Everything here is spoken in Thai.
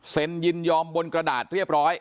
ยินยอมบนกระดาษเรียบร้อย